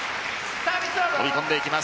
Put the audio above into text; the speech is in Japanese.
飛び込んでいきます。